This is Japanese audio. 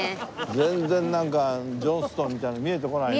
全然なんかジョンストンみたいなの見えてこないね。